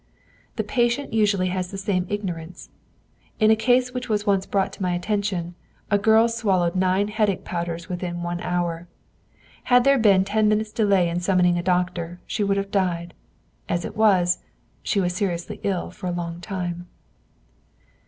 The patient usually has the same ignorance. In a case which was once brought to my attention, a girl swallowed nine headache powders within one hour. Had there been ten minutes' delay in summoning a doctor, she would have died; as it was, she was seriously ill for a long time.